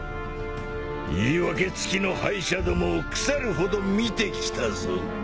言い訳つきの敗者どもを腐るほど見てきたぞ。